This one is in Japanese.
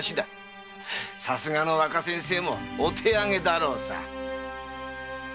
さすがの若先生もお手あげだろうさ。